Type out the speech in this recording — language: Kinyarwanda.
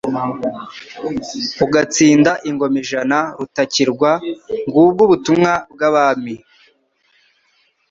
Ugatsinda ingoma ijana Rutakirwa , ngubwo ubutumwa bw'Abami,